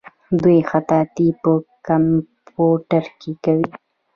دوی خطاطي په کمپیوټر کې کوي.